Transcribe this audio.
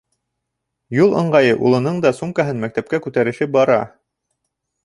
Юл ыңғайы улының да сумкаһын мәктәпкә күтәрешеп бара.